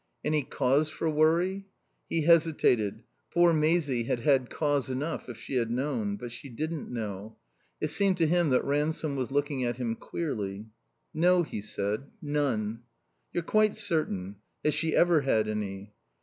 "Any cause for worry?" He hesitated. Poor Maisie had had cause enough if she had known. But she didn't know. It seemed to him that Ransome was looking at him queerly. "No," he said. "None." "You're quite certain? Has she ever had any?"